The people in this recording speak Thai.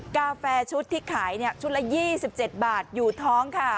กาแฟชุดที่ขายชุดละ๒๗บาทอยู่ท้องค่ะ